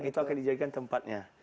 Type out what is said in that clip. itu akan dijadikan tempatnya